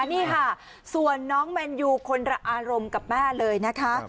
นี่ค่ะส่วนน้องแมนยูคนละอารมณ์กับแม่เลยนะคะ